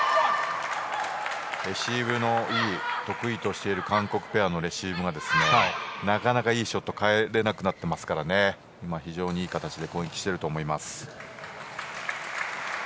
レシーブの得意としている韓国ペアのレシーブがなかなかいいショットが返れなくなっていますから非常にいい形で攻撃していると思います。